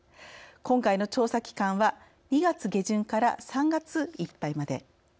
今回の調査期間は２月下旬から３月いっぱいまで。